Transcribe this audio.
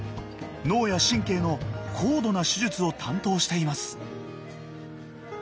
脳や神経の高度な手術を担当しています。